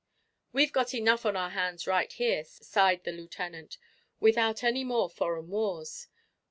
"We've got enough on our hands right here," sighed the Lieutenant, "without any more foreign wars.